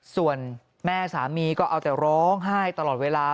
ส่วนแม่สามีก็เอาแต่ร้องไห้ตลอดเวลา